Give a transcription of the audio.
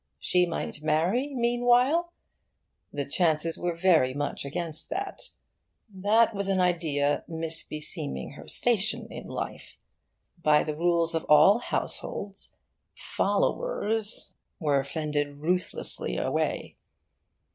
She might marry meanwhile? The chances were very much against that. That was an idea misbeseeming her station in life. By the rules of all households, 'followers' were fended ruthlessly away.